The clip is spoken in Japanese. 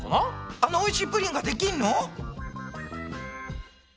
あのおいしいプリンができんの？